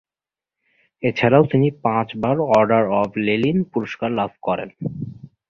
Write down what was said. এছাড়াও তিনি পাঁচবার অর্ডার অব লেনিন পুরস্কার লাভ করেন।